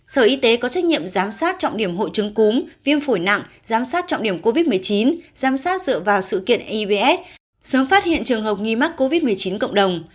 sở y tế có trách nhiệm giám sát trọng điểm hội chứng cúm viêm phổi nặng giám sát trọng điểm covid một mươi chín giám sát dựa vào sự kiện ivs sớm phát hiện trường hợp nghi mắc covid một mươi chín cộng đồng